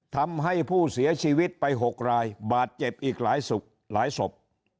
ทำให้ผู้เสียชีวิตไป๖รายบาดเจ็บอีกหลายศพ